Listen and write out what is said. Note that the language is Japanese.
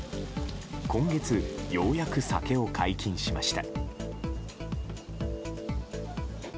今月、ようやく酒を解禁しました。